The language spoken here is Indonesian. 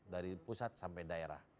dari pusat sampai daerah